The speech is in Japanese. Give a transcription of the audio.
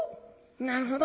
なるほど。